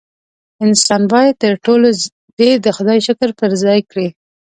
انسان باید تر ټولو ډېر د خدای شکر په ځای کړي.